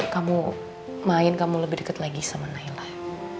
kamu main kamu lebih deket lagi sama nailah